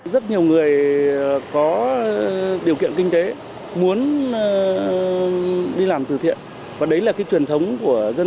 rất nhiều người có điều kiện kinh tế muốn đi làm từ thiện và đấy là cái truyền thống của dân tộc